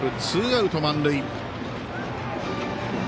ツーアウト満塁。